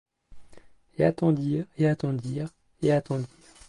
Et attendirent, et attendirent, et attendirent...